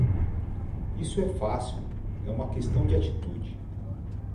Isso é fácil, é uma questão de atitude.